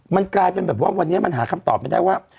มันกลายเป็นแบบว่าวันนี้มันหาคำตอบไม่ได้ว่า